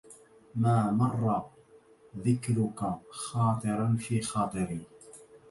ما مر ذكرك خاطرا في خاطري